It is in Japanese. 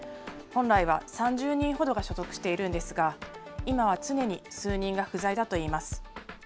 本来は３０人ほどが所属しているんですが、今は常に数人が不在だといいます。